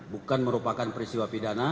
bukan merupakan peristiwa pidana